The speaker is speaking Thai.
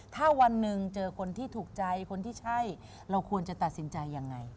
ถ้าวันหนึ่งเจอคนที่ถูกใจคนที่ใช่เราควรจะตัดสินใจยังไง